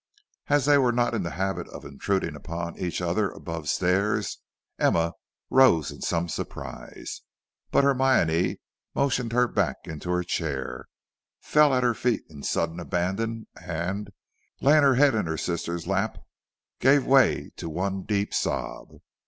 As they were not in the habit of intruding upon each other above stairs, Emma rose in some surprise. But Hermione motioning her back into her chair, fell at her feet in sudden abandon, and, laying her head in her sister's lay, gave way to one deep sob.